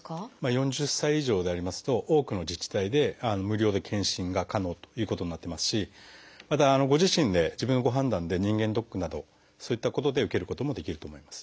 ４０歳以上でありますと多くの自治体で無料で検診が可能ということになってますしまたご自身で自分のご判断で人間ドックなどそういったことで受けることもできると思います。